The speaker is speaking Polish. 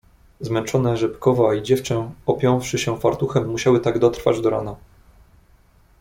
"Zmęczone Rzepkowa i dziewczę, opiąwszy się fartuchem, musiały tak dotrwać do rana."